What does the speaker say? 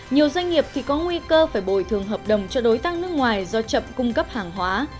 nhiều doanh nghiệp thì có nguy cơ phải bồi thường hợp đồng cho đối tác nước ngoài do chậm cung cấp hàng hóa